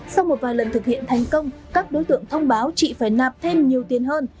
sau một vài lần thực hiện thành công các đối tượng thông báo chị phải nạp thêm nhiều tiền hơn